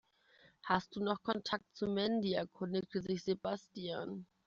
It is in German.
Hast du noch Kontakt zu Mandy?, erkundigte sich Sebastian.